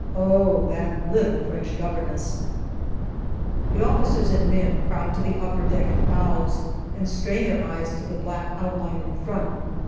Oh, that little French governess ! The officers and men crowd to the upper deck and bows, and strain their eyes to the black outline in front.